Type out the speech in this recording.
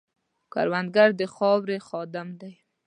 کروندګر د خاورې خادم دی